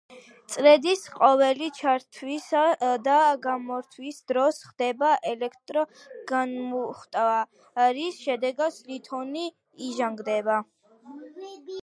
წრედის ყოველი ჩართვისა და გამორთვის დროს ხდება ელექტრო განმუხტვა, რის შედეგად ლითონი იჟანგება.